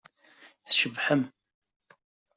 Tcebḥem.